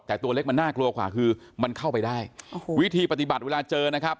แต่ตัวเล็กมันน่ากลัวกว่าคือมันเข้าไปได้วิธีปฏิบัติเวลาเจอนะครับ